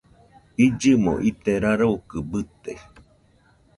Illɨmo ite rarokɨ bɨte